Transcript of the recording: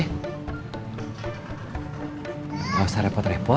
tidak usah repot repot